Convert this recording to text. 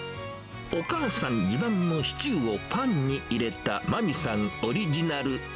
お母さん自慢のシチューをパンに入れた真美さんオリジナル。